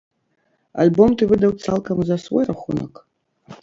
Альбом ты выдаў цалкам за свой рахунак?